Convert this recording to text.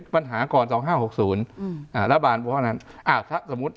ปัญหาก่อน๒๕๖๐อ่าระบานเพราะฉะนั้นอ่าสมมุติ